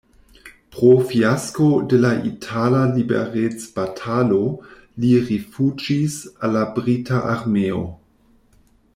Pro fiasko de la itala liberecbatalo li rifuĝis al la brita armeo.